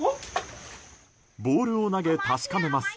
ボールを投げ確かめます。